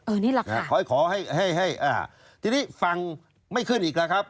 เออนี่แหละค่ะขอให้ทีนี้ฟังไม่ขึ้นอีกแล้วครับ